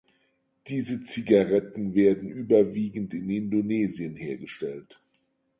Diese Zigaretten werden überwiegend in Indonesien hergestellt.